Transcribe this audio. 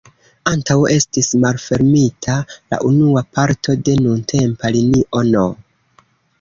Antaŭ estis malfermita la unua parto de nuntempa linio no.